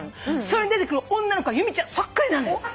それに出てくる女の子が由美ちゃんそっくりなのよ。